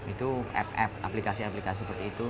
itu app aplikasi aplikasi seperti itu